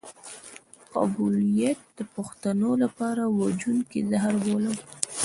قبيلويت د پښتنو لپاره وژونکی زهر بولم.